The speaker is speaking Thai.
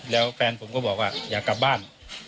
แล้วแฟนผมก็บอกว่าอยากกลับบ้าน